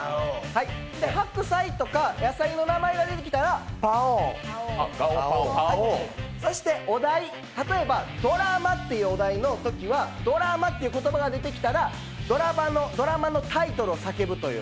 白菜とか野菜の名前が出てきたらパオン、お題ですが、例えばドラマというお題のときは、ドラマっていう言葉が出てきたらドラマのタイトルを叫ぶという。